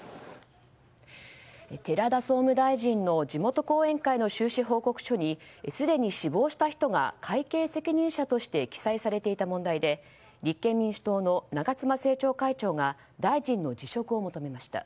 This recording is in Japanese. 寺田総務大臣の地元後援会の収支報告書にすでに死亡した人が会計責任者として記載されていた問題で立憲民主党の長妻政調会長が大臣の辞職を求めました。